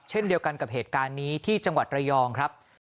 เช่นเดียวกันกับเหตุการณ์นี้ที่จังหวัดระยองครับ